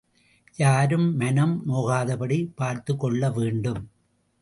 யாரும் மனம் நோகாதபடி பார்த்துக் கொள்ளவேண்டும்.